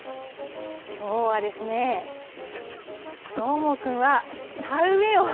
きょうは、どーもくんは田植えを。